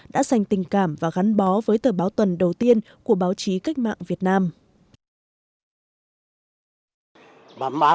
đã dành tình cảm và gắn bó với tờ báo tuần đầu tiên của báo chí cách mạng việt nam